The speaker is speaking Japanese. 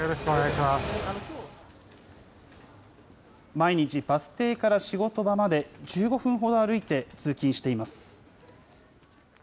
毎日バス停から仕事場まで１５分ほど歩いて通勤しています。